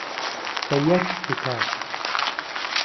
بە یەک قیتار،